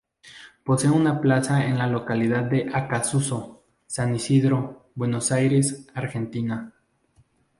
Posee una plaza en la localidad de Acassuso, San Isidro, Buenos Aires, Argentina.